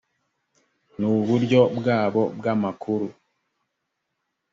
n uburyo bwabo bw amakuru